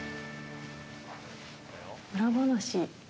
裏話。